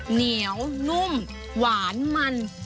เหนียวนุ่มหวานมัน